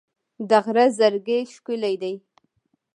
د غره زرکې ښکلې دي